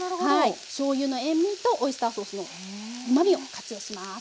しょうゆの塩味とオイスターソースのうまみを活用します。